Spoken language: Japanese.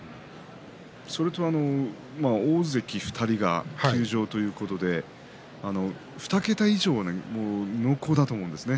大関２人が休場ということで２桁以上を濃厚だと思うんですよね。